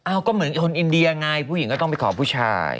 ก็เหมือนคนอินเดียไงผู้หญิงก็ต้องไปขอผู้ชาย